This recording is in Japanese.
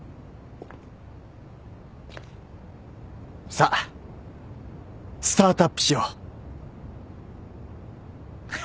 さあスタートアップしよう。